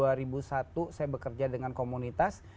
jadi selama dari dua ribu satu saya bekerja dengan komunitas